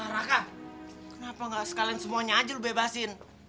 raka kenapa gak sekalian semuanya aja udah bebasin